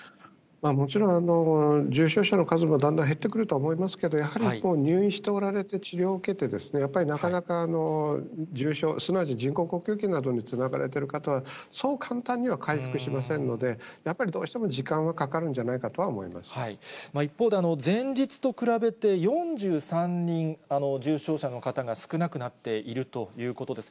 もちろん、重症者の数もだんだん減ってくるとは思いますけど、やはり入院しておられて治療を受けて、やっぱりなかなか重症、すなわち人工呼吸器なんかにつながれている方は、そう簡単には回復しませんので、やっぱりどうしても時間はかかるんじゃないかと一方で、前日と比べて４３人重症者の方が少なくなっているということです。